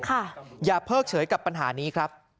อย่าเพิ่งเฉยกับปัญหานี้ครับ